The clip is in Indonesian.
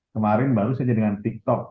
kemarin baru saja dengan tiktok